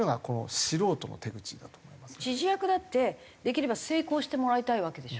指示役だってできれば成功してもらいたいわけでしょ？